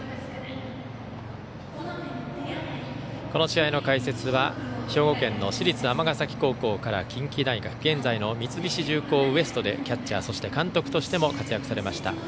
この試合の解説は兵庫県の市立尼崎高校から近畿大学、現在の三菱重工Ｗｅｓｔでキャッチャー、そして監督としても活躍されました